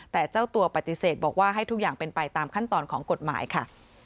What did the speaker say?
แต่เจ้าตัวปฏิเสธบอกว่าให้ทุกอย่างเป็นไปตามขั้นตอนของกฎหมายค่ะ